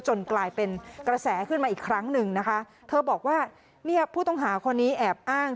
กลายเป็นกระแสขึ้นมาอีกครั้งหนึ่งนะคะเธอบอกว่าเนี่ยผู้ต้องหาคนนี้แอบอ้าง